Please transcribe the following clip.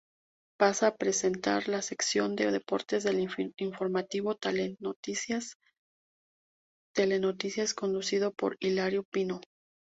Pasa a presentar la sección de deportes del informativo "Telenoticias", conducido por Hilario Pino.